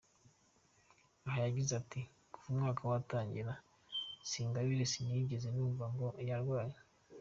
Aha yagize ati : “Kuva umwaka watangira Sengabire sinigeze numva ngo yarwaye”.